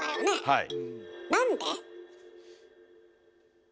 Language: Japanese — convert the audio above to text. はい。